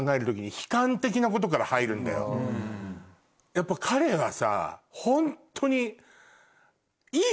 やっぱ彼はさホントに。